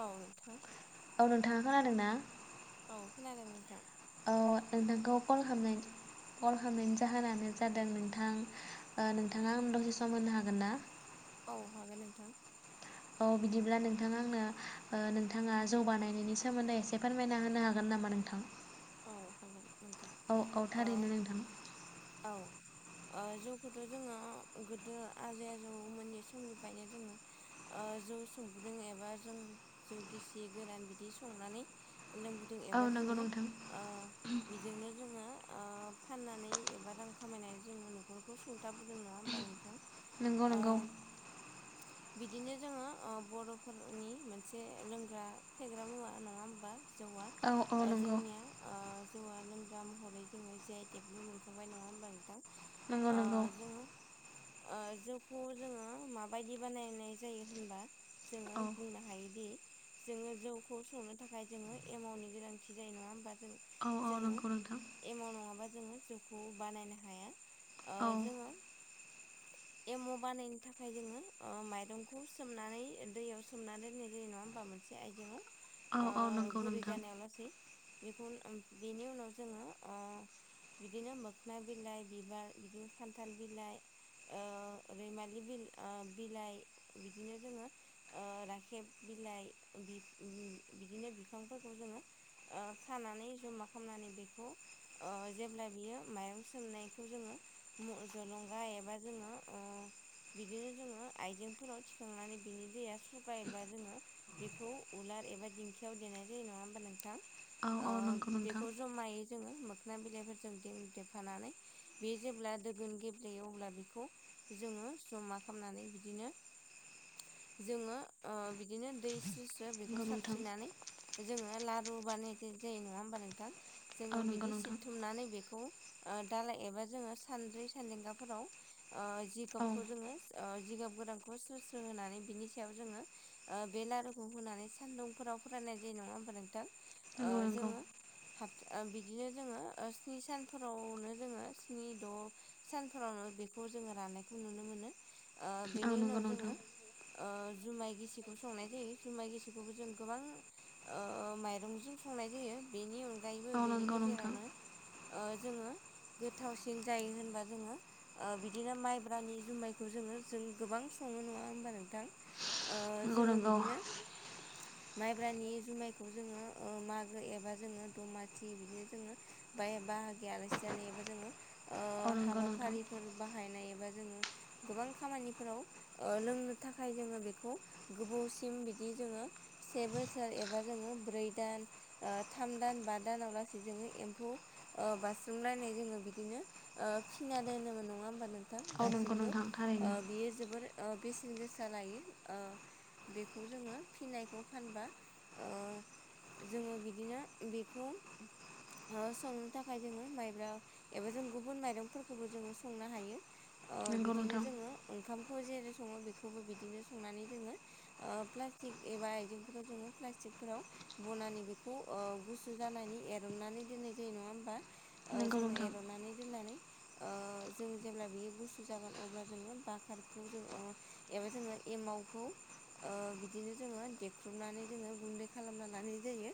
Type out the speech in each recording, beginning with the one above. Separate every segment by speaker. Speaker 1: औ नोंथां
Speaker 2: नोंथाङा खोनादों ना?
Speaker 1: औ खोनादों नोंथां
Speaker 2: औ नों नोंखौ कल खालामनाय कल खालामनायनि जाहोनानो जादों नोंथां ओ नोंथाङा आं दसे सम होनो हागोन ना
Speaker 1: औ हागोन नोंथां
Speaker 2: औ बिदिब्ला नोंथाङा आंनो नोंथाङा जौ बानायनायनि सोमोन्दै एसे फोरमायना होनो हागोन नामान? नामा नोंथां
Speaker 1: औ हागोन नोंथां
Speaker 2: औ औ थारैनो नोंथां
Speaker 1: औ ओ जौखौथ' जोङो गोदो आजै आजौमोननि समनिफ्रायनो जोङो जौ संबोदों एबा जों जौ गिसि गोरान बिदि संनानै लों गुदुं
Speaker 2: औ
Speaker 1: एबा
Speaker 2: नंगौ
Speaker 1: जोङो
Speaker 2: नोंथां
Speaker 1: बिजोंनो जोङो ओ फाननानै एबा रां खामायनानै जों न'खरखौ खोथाबोदों नङा होमबा नोंथां
Speaker 2: नंगौ
Speaker 1: ओ
Speaker 2: नंगौ
Speaker 1: बिदिनो जोङो अ बर'फोरनि मोनसे लोंग्रा फेग्रा मुवा नङा होमबा जौआ
Speaker 2: औ औ नंगौ
Speaker 1: जोंनिया जौवआ लोंग्रा महरै जोङो जे आइ टेबबो मोनखांबाय नङा होमबा नोंथां
Speaker 2: नंगौ
Speaker 1: अ
Speaker 2: नंगौ
Speaker 1: जोङो आं जौखौ जोङो माबायदि बानायनाय जायो होनबा जोङो
Speaker 2: औ
Speaker 1: बुंनो हायोदि जोङो जौखौ संनो थाखाय जोङो एमाउनि गोनांथि
Speaker 2: औ औ
Speaker 1: जों
Speaker 2: नंगौ नोंथां
Speaker 1: एमाव जो जौखौ बानायनो हाया ओ
Speaker 2: औ
Speaker 1: जोङो एम' बानायनो थाखाय जोङो माइरंखौ सोमनानै दैयाव सोमनानै दोननाय जायो नङा होमबा मोनसे
Speaker 2: औ औ
Speaker 1: ओ
Speaker 2: नंगौ
Speaker 1: गुरै
Speaker 2: नोंथां
Speaker 1: जानायावल'सै बेखौ बेनि उनाव जोङो ओ बिदिनो मोखोन बिलाइ बिबार बिदिनो खान्थाल बिलाइ रैमालि बि बिलाइ बिदिनो जोङो ओ राखेब बिलाइ बिदिनो बिफांफोरखौ जोङो ओ खानानै नाय जमा खालामनानै बेखौ अ जेब्ला बेयो माइरं सोंनायाखौ जोङो म जों थुलुंगा एबा जोङो ओ बिदिनो जोङो आइजेंफोराव थिखांनानै बिनि दैया सुग्रायोब्ला जोङो बेखौ उला एबा दिंखि देनाय जायो नङा होनबा नोंथां
Speaker 2: औ औ नंगौ नोंथां
Speaker 1: ओ जमायै जोंङो सना बिलाइफोरजों देंदेफानानै बे जेब्ला दोगोन गेब्लेयो अब्ला बेखौ जोङो जमा खालामनानै बिदिनो जोङो अ दै सु सु बेखौ
Speaker 2: नंगौ नोंथां
Speaker 1: साबस्रिनानै जोङो लारु बानाय जायो नङा होमबा नोंथां
Speaker 2: औ
Speaker 1: जोङो
Speaker 2: नंगौ
Speaker 1: बिदि
Speaker 2: नोंथां
Speaker 1: सिबथुमनानै बेखौ ओ दालाय एबा जोङो सानदै सानदेंगाफोराव ओ
Speaker 2: औ
Speaker 1: जिगाबखौ जोङो ओ जिगाब गोरानखौ स्रो स्रो होनानै बिनि सायाव जोङो ओ बे लारुखौ होनानै सानदुंफोराव फरान नाय जे नङा होब नोंथां ओ
Speaker 2: नंगौ नंगौ
Speaker 1: जोङो बिदिनो जोङो स्नि सानफोरावनो जोङो स्नि द' सानफोरावनो बेखौ जोङो राननायखौ नुनो मोनो ओ
Speaker 2: औ
Speaker 1: बेनि
Speaker 2: नंगौ
Speaker 1: उनाव
Speaker 2: नोंथां
Speaker 1: जोङो ओ जुमाय गिसिखौ संनाय जायो जुमाइ गिसिखौबो जों गोबां ओ माइ रंजों संनाय जायो बेनि अनगायैबो
Speaker 2: औ
Speaker 1: बेनि
Speaker 2: नंगौ नोंथां
Speaker 1: गेजेरावनो जोङो गोथावसिन जायो होनबा जोङो बिदिनो माइब्रानि जुमायखौ जोङो जों गोबां सङो नङा होमबा नोंथां? ओ
Speaker 2: नंगौ
Speaker 1: जोङो
Speaker 2: नंगौ
Speaker 1: बिदिनो माइब्रानि जुमायखौ जोङो ओ मागो एबा जोङो दमासि बिदिनो जोङो बाय बाहागि आलासि जानाय एबा जोङो ओ
Speaker 2: औ नंगौ नोंथां
Speaker 1: हाबाफारिफोर बाहायनाय एबा जोङो गोबां खामानिफोराव ओ लोंनो थाखाय जोङो बेखौ गोबावसिम बिदि जोङो से बोसोर एबा जोङो ब्रै दान थाम दान बा दानावलासे जोङो एम्फौ बाज्रुमलायनाय जोङो बिदिनो फिना दोनोमोन नङा होमबा नोंथां
Speaker 2: औ नंगौ
Speaker 1: दासिमबो
Speaker 2: नोंथां थारैनो
Speaker 1: बियो जोबोर बेसेन गोसा लायो। बेखौ जोङो फिनायखौ फानबा ओ जोङो बिदिनो बेखौ संनो थाखाय जोंङो माइब्रा एबा जों गुबुन माइरंफोरखौबो जोंङो संनो हायो। ओ
Speaker 2: नंगौ
Speaker 1: बिदिनो
Speaker 2: नोंथां
Speaker 1: जोङो ओंखाम जेरै सङो बेखौबो बिदिनो संनानै जोङो ओ प्लास्टिक एबा आइजेंफोराव जोङो प्लास्टिक फोराव बनानै बेखौ ओ गुसु जानानै एरननानै दोननाय जायो नङा होमबा?
Speaker 2: नंगौ
Speaker 1: जों
Speaker 2: नोंथां
Speaker 1: एरनानै दोननानै ओ जों जेब्ला बियो गुसु जागोन अब्ला जोंङो बाखारखौ जोंङो एबा जोंङो एमावखौ ओ बिदिनो जोङो देख्रुबनानै जोङो गुन्दै खालामनानै लानाय जायो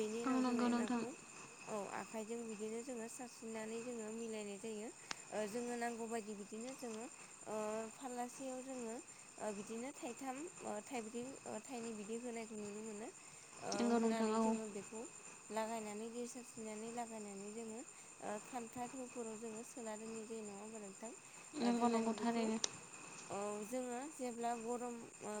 Speaker 1: बेनि
Speaker 2: औ
Speaker 1: उनाव जोंङो
Speaker 2: नंगौ नोंथां
Speaker 1: एमाखौ‌ औ आ आखाइजों बिदिनो जोंङो सारस्रिनानै जोंङो मिलायनाय जायो जोङो नांगौबायायदि बिदिनो जोंङो ओ फालासे जोंङो बिदिनो थाइथाम थाइब्रै थाइनै बि बिदि होनायखौ नुनो मोनो
Speaker 2: नंगौ नोंथां
Speaker 1: होनानै
Speaker 2: औ
Speaker 1: जोङो बेखौ लागायनानै दै सारस्रिनानै लागायनानै जोङो खान्था थावफोराव जोङो सोना दोननाय जायो। नङा होनबा नोंथां
Speaker 2: नंगौ
Speaker 1: दोननानै
Speaker 2: नंगौ
Speaker 1: बेखौ
Speaker 2: थारैनो
Speaker 1: जोङो जेब्ला गरम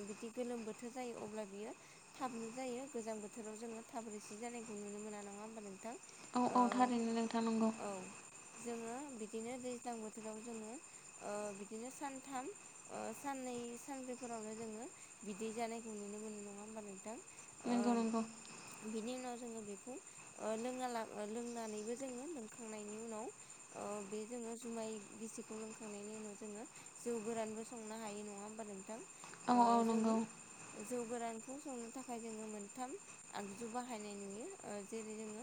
Speaker 1: बिदि गोलोम बोथोर जायो अब्ला बियो थाबनो जायो। गोजां बोथोराव जोङो थाब रोसि जानायखौ नुनो मोना नङा होनबा नोंथां?
Speaker 2: औ
Speaker 1: ओ
Speaker 2: औ थारैनो नोंथा नंगौ।
Speaker 1: औ जोङो बिदिनो दैज्लां बोथोराव जोङो ओ बिदिनो सानथाम साननै सानब्रैफोरावनो जोंङो बिदिजानायखौ नुनो मोनो नङा होमबा नोंथां?
Speaker 2: नोंगौ
Speaker 1: ओ
Speaker 2: नोंगौ
Speaker 1: बिनि उनाव जोङो बेखौ ओ लोंना लोंनानैबो जोङो लोंखांनायनि उनाव ओ बे जोङो जुमाय गिसिखौ लोंखांनायनि उनाव जोङो जौ गोरानबो संनो हायो नङा होनबा नों थां
Speaker 2: औ औ
Speaker 1: जोंङो
Speaker 2: नंगौ
Speaker 1: जौ गोरानखौ संनो थाखाय जोंङो मोनथाम आगजु बाहायनाय नुयो जेरै जोंङो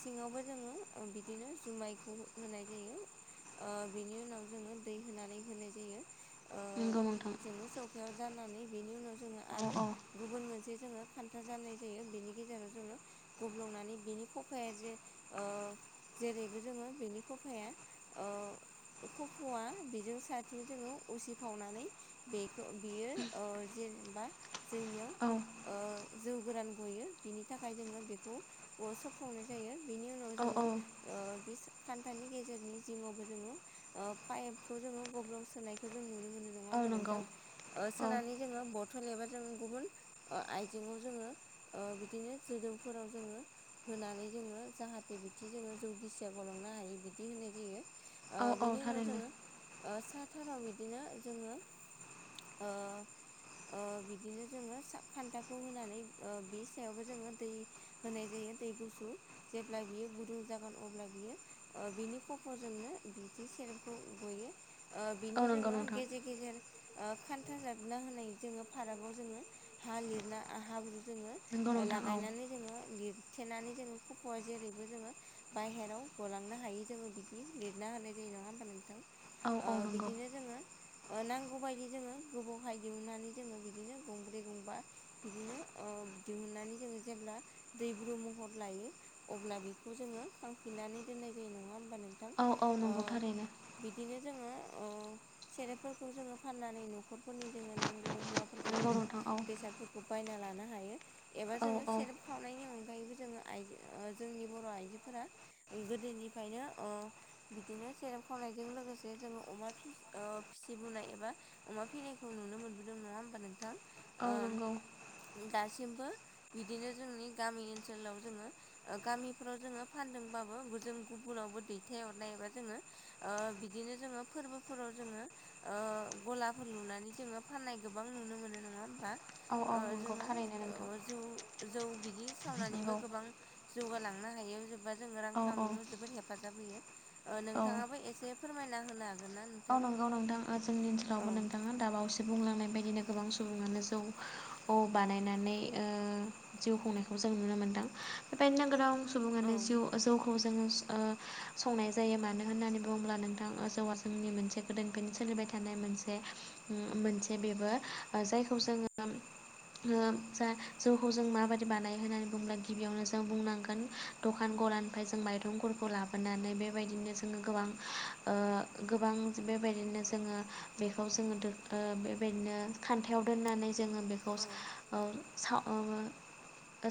Speaker 1: सिङावबो जोंङो बिदिनो जुमायखौ होनाय जायो। ओ बिनि उनाव जोंङो दै होनानै होनाय जायो।
Speaker 2: नंगौ नोंथां।
Speaker 1: जानानै बेनि उनाव जोंङो
Speaker 2: औ
Speaker 1: आरो
Speaker 2: औ
Speaker 1: गुबुन मोनसे जोङो खान्था जनाय जायो बिनि गेजेराव जोङो गब्लंनानै बिनि खफाया जे ओ जेरैबो जोङो बेनि खफाया ओ खफ'वा बेजों साथिं जोङो उसिफावनानै बेखौ बेयो अ जे एबा जोंनियाव
Speaker 2: औ
Speaker 1: जौ गोरान गयो बिनि थाखाय जोंङो बेखौ अरसबफ्रंनाय जायो। बिनि उनाव
Speaker 2: औ औ
Speaker 1: जोङो बे खान्थानि गेजेरनि जिङावबो जोङो पाइपखौ जोङो गब्लं सोनायखौ जों नुनो मोनो। मोनो नङा
Speaker 2: औ
Speaker 1: हबा
Speaker 2: नंगौ
Speaker 1: नोंथां
Speaker 2: औ
Speaker 1: सोनानै जोङो बथल एबा जों गुबुन ओ आइजेंयाव जोङो ओ बिदिनो जोदौफोराव जोङो होनानै जोङो जाहाथे ज ज गांनो हायो बिनाय ज
Speaker 2: औ औ
Speaker 1: बिनि उनाव
Speaker 2: थारैनो
Speaker 1: जोङो साथाराव बिदिनो जोङो ओ ओ बिदिनो जोङो सा खान्थाखौ होनानै बे सायावबो जोङो दै होनाय जायो दै गुसु जेब्ला बियो गुदुं जागोन अब्ला बियो बिनि खफजोंनो बिदि सेरेपखौ गयो।
Speaker 2: औ
Speaker 1: बिनि
Speaker 2: नंगौ
Speaker 1: जोङो
Speaker 2: नोंथां
Speaker 1: गेजेर गेजेर खान्था जाबना होनाय जोङो फारागाव जोङो हा लिरना हाब्रु जोङो
Speaker 2: नंगौ नोंथां औ
Speaker 1: लागायनानै जोङो लिर थेनानै जोङो खफ'आ जेरैबो जोङो बायहेराव गलांनो हायि जोङो बिदि लिरना होनाय जायो। नङा होमबा नोंथां
Speaker 2: औ
Speaker 1: ओ
Speaker 2: औ नंगौ
Speaker 1: बिदिनो जोंङो ओ नांगौ बायदि जोंङो गोबावहाय दिहुननानै जोंङो बिदिनो गंब्रै गं बिदिनो अ दिहुनानै जेब्ला दैब्रु महर लायो अब्ला बेखौ जोङो खांफिननानै दोननाय जायो नङा हबा नोंथां
Speaker 2: औ औ
Speaker 1: ओ
Speaker 2: नंगौ थारैनो
Speaker 1: बिदिनो जोङो सेरेफोरखौ जोङो फाननानै न'खरफोरनि जोङो नांगौ मुवा
Speaker 2: नंगौ नोंथां औ।
Speaker 1: बेखौ बायना लानो हायो एबा
Speaker 2: औ
Speaker 1: जों
Speaker 2: औ
Speaker 1: सेरेब खावनायनि अनगायैबो ओ जोंनि बर' आइजोफोरा गोदोनिफ्रायनो ओ बिदिनो सेर खावनायजों लोगोसे जोङो अमा फिसिबोनाय एबा अमा फिनायखौ नुनो मोनबोदों नङा होमाबा नोंथां
Speaker 2: औ
Speaker 1: ओम
Speaker 2: नंगौ
Speaker 1: दासिमबो बिदिनो जोंनि गामि ओनसोलाव जोङो गामिफ्राव जोङो फानदोंबाबो जों गुबुनावबो दैथायहरनायबा जोङो बिदिनो जोङो फोरबोफोराव जोङो ओ गलाफोर लुनानै जोङो फाननाय गोबां नुनो मोनो नङा होमबा?
Speaker 2: औ
Speaker 1: ओ
Speaker 2: नंगौ थारैनो नोंथां
Speaker 1: जोङो ज जौ बिदि सावनानैबो
Speaker 2: नंगौ
Speaker 1: गोबां
Speaker 2: औ
Speaker 1: जौगालाङो हायो जेनेबा जोङो रां
Speaker 2: औ
Speaker 1: खामायनायाव‌ जोबोर हेफाजाब होनो
Speaker 2: औ
Speaker 1: नोंथांआबो एसे फोरमायना होनो हागोन ना
Speaker 2: औ
Speaker 1: नोंथां?
Speaker 2: नंगौ नोंथाङा जोंनि
Speaker 1: औ
Speaker 2: ओनसोलावबो नोंथाङा दाब बावैसो बुंलांनाय बायदिनो गोबां सुबुङानो जौ बानायनानै ओ जिउ खुंनायखौ जों नुनो मोनदों आमफ्राय नोगोराव
Speaker 1: औ
Speaker 2: सुबुङानो जिउ जौखौ जोङो संनाय जायो मानो होननानै बुङोब्ला नोंथाङा जौआ जोंनि मोनसे गोदोनिफ्रायनो सोलिबाय थानाय मोनसे मोनसे बेबो जायखौ जोङो जा जौखौ जों माबायदि बानायो होननानै बुंङोब्ला गिबियावनो जों बुंनांगोन दख दखान गलानिफ्राय जों माइरंफोरखौ लाबोनानै बेबायदिनो जोङो गोबां ओ गोबां बेबायदिनो जोङो बेखौ जोङो बेबायदिनो खान्थायाव दोननानै जोङो बेखौ
Speaker 1: औ
Speaker 2: साव ओ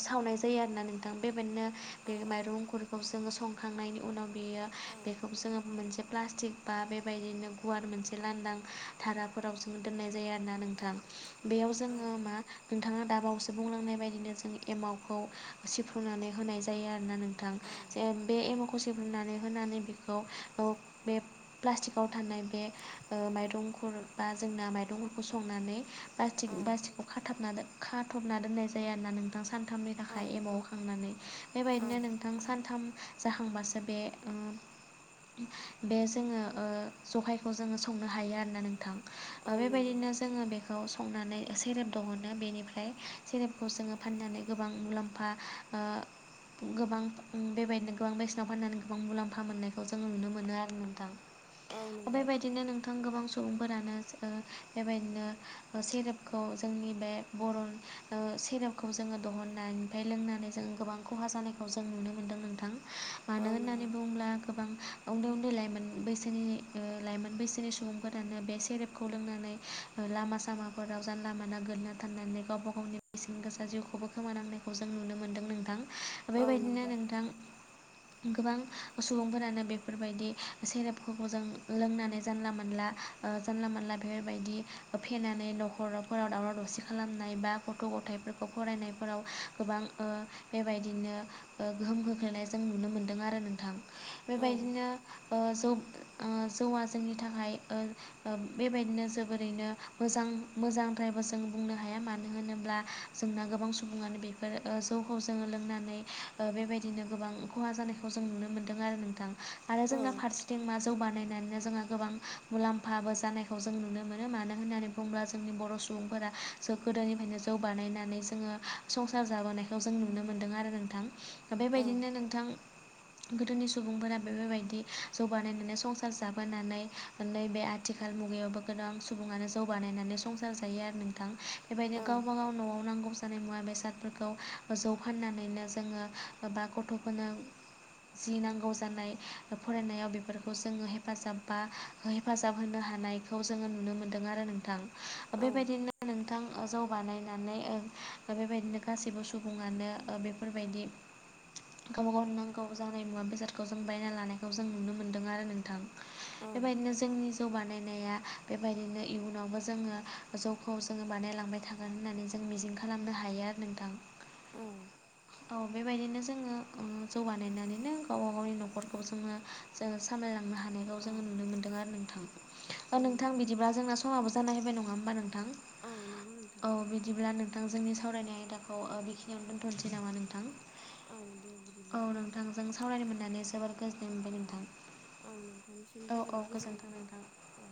Speaker 2: सावनाय जायो आरोना नोंथां बेबायदिनो
Speaker 1: औ
Speaker 2: बे माइरंफोरखौ जोङो संखांनायनि उनाव बेयो
Speaker 1: औ
Speaker 2: बेखौ जोङो मोनसे प्लास्टिक बा बेबायदिनो गुवार मोनसे लांदां धाराफोरावसो दोननाय जायो आरोना नोंथां बेयाव
Speaker 1: औ
Speaker 2: जोंङो मा नोंथांङा दाबावसो बुंलांनाय बायदिनो जों एमावखौ सिफ्रुनानै होनाय जायो आरोना नों थां जे बे
Speaker 1: औ औ
Speaker 2: एमकसेफोरनानै होनानै बेखौ बे प्लास्टिकआव थानाय बे ओ माइरंफोर बा जोंना माइरंफोरखौ संनानै बटिक
Speaker 1: औ
Speaker 2: बासटिखौ खाथाबना खाथबना दोननाय जाया होनना नोंथां सान थामनि
Speaker 1: औ
Speaker 2: थाखाय एबाव खांनानै
Speaker 1: औ
Speaker 2: बेबायदिनो नोंथां सानथाम जाहांबासो बे बे जोङो जहायखौ जोंङो संनो हायो आरोना
Speaker 1: औ
Speaker 2: नोंथां
Speaker 1: नंगौ
Speaker 2: बेबायदिनो जोंङो बेखौ खौ संनानै सेरेब दहनो बेनिफ्राय सेरेबखौ जोंङो फाननानै गोबां मुलाम्फा ओ गोबां बेबायदिनो गोबां बेसेनाव फाननानै गोबां मुलाम्फा मोननायखौ जोङो नुनो मोनो आरो नोंथां।
Speaker 1: औ नंगौ
Speaker 2: बेबायदिनो नोंथां गोबां सम। सुबुंफोरानो बेबायदिनो सेरेपखौ जोंनि बे बर ओ सेरेपखौ जोंङो दहन नानिफ्राय लोंनानै जोंङ गोबां खहा जानायखौ जों नुनो मोन्दों नोंथां।
Speaker 1: औ
Speaker 2: मानो
Speaker 1: नंगौ
Speaker 2: होननानै बुङोब्ला गोबां उन्दै उन्दै लाइमोन बैसा जोंनि लाइमोन बैसोनि सुबुंफोरानो बे सेरेबखौ लोंनानै लामा सामाफोराव जानला लामा नागिरनो थांनानै गावबा गावनि बेसेन गोसा जिउखौबो खोमानांनायखौ जों नुनो मोनदों नोंथां।
Speaker 1: औ
Speaker 2: बेबायदिनो
Speaker 1: नंगौ
Speaker 2: नोंथां गोबां सुबुंफोरानो बेफोरबायदि सेरेप नखौ जों लोंनानै जानला मोनला ओ जानला मोनला बेफोरबायदि फेनानै न'खराव फोराव दावराव दावसि खालामनाय बा गथ' गथायफोरखौ फरायनायफोराव गोबां बेबायदिनो बिनो गोहोम खोख्लैनाय जों नुनो मोन्दों आरो नोंथां
Speaker 1: औ
Speaker 2: बेबायदिनो जौ जौआ जोंनि थाखाय ओ बेबायदिनो जोबोरैनो मोजां मोजां फ्रायबो जों बुंनो हाया मानो होनोब्ला जोंना गोबां सुबुङानो बेफोर जौखौ जोङो लोंनानै बेबायदिनो गोबां खहा जानायखौ जों नुनो मोनदों आरो नोंथां आरो
Speaker 1: औ
Speaker 2: जोंना फारसे ‌ना जौ बानायनानै जोङो गोबां मुलाम्फाबो जानायखौ जों नुनो मोनो मानो होननानै बुङोब्ला जोंनि बर' बर' सुबुंफोरा ज्स गोदोनिफ्रायनो जौ बानायनानै जोङो संसार जाबोनायखौ जों नुनो मोनदों आरो नोंथां
Speaker 1: औ
Speaker 2: बेबायदिनो नोंथां गोदोनि सुबुंफोरा बेफोरबायदि जौगानायनानै संसार जाबोनानै नैबे आथिखाल मुगायावबो गोबां सुबुङानो जौगानायनानै संसार जायिआ नोंथां बेबायदिनो
Speaker 1: औ
Speaker 2: गावब गाव न'आव नांगौ जानाय मुवा बेसाद जौ फा फानानैनो जोङो बा गथ'फोरनो जिनांगौ जानाय फरायनायाव बेफोरखौ जोङो हेफाजाब बा हेफाजाब होनो हानायखौ जोङो नुनो मोनदों आरो नोंथां।
Speaker 1: औ
Speaker 2: बेबायदिनो नोंथाङा जौ बानायनानै बेबायदिनो गासैबो सुबुङानो बेफोरबायदि गावबा गाव नांगौ जानाय मुवा बेसादखौ जों बायना लानायखौ जों नुनो मोनो। नोंथां बेबायदिनो जोंनि जौ बानाय नाया बेबायदिनो इयुनावबो जोङो जौखौ जोङो बानायलांबाय थागोन होननानै जों मिजिं खालाम खालामनो हायो आरो नोंथां।
Speaker 1: औ
Speaker 2: औ बेबायदिनो जोङो उम जौगानायनानैनो गावबा गावनि न'खरखौ जोङो जोङो सामलायलांनो हानायखौ जोङो नुनो मोनदों आरो नोंथांखौ नोंथां
Speaker 1: नंगौ
Speaker 2: बिदिब्ला जोंना समाबो जानाय होबाय नङा होमबा नोंथां
Speaker 1: औ नंगौ नोंथां
Speaker 2: औ बिदिब्ला नोंथां नोंथां जोंनि सावरायनाय आयदाखौ बेखिनियावनो दोन्थ'नोसै नामा नोंथां
Speaker 1: औ दे
Speaker 2: औ
Speaker 1: बिदिब्ला
Speaker 2: नोंथांजों सावरायनो मोननानै जोबोर गोजोननाय मोनबाय नोंथां।
Speaker 1: औ
Speaker 2: औ
Speaker 1: नोंथांनिसिमबो
Speaker 2: औ
Speaker 1: जोबोद गोजोननाय
Speaker 2: गोजोन्थों नोंथां
Speaker 1: थाबाय औ।